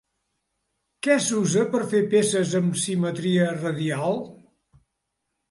Què s'usa per fer peces amb simetria radial?